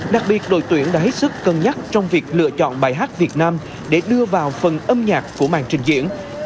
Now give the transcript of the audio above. đặc biệt đội tuyển đã hết sức cân nhắc trong việc lựa chọn bài hát việt nam để đưa vào phần âm nhạc của màn trình diễn